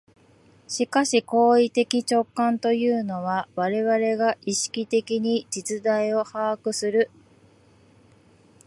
しかし行為的直観というのは、我々が意識的に実在を把握する、